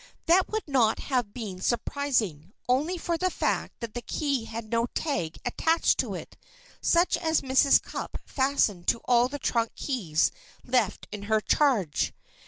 That would not have been surprising, only for the fact that the key had no tag attached to it, such as Mrs. Cupp fastened to all the trunk keys left in her charge.